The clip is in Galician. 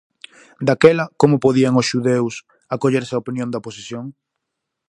Daquela como podían os xudeus acollerse a opinión da posesión?